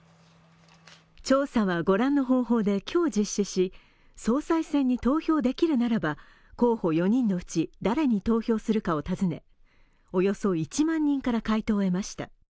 調査は御覧の方法で今日実施し、総裁選に投票できるならば候補４人のうち誰に投票するかを尋ね、およそ１万人から回答を得ました。